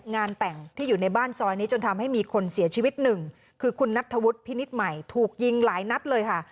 งานแต่งที่อยู่ในบ้านซอยนี้จนทำให้มีคนเสียชีวิตหนึ่งคือคุณนัทธวุฒิพินิษฐ์ใหม่ถูกยิงหลายนัดเลยค่ะ